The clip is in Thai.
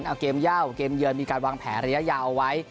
เอาเกมเย่าเกมเยือนมีการวางแผนระยะยาวเอาไว้